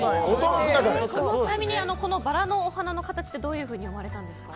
ちなみにバラのお花の形ってどういうふうにやられたんですか？